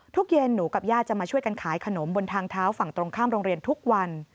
เย็นหนูกับญาติจะมาช่วยกันขายขนมบนทางเท้าฝั่งตรงข้ามโรงเรียนทุกวัน